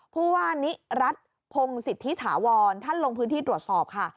ผู้ว่านิรัติพงศิษฐิถาวรท่านลงพื้นที่ตรวจสอบค่ะ